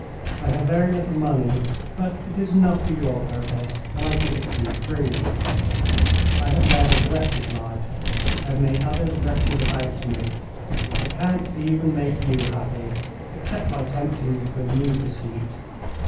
I have very little money, but it is enough for your purpose, and I give it you freely. I have led a wretched life; I have made others wretched about me. I can't even make you happy, except by tempting you to a new deceit.